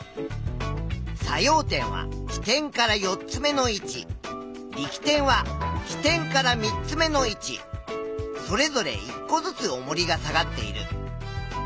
作用点は支点から４つ目の位置力点は支点から３つ目の位置それぞれ１個ずつおもりが下がっている。